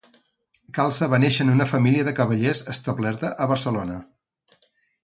Calça va néixer en una família de cavallers establerta a Barcelona.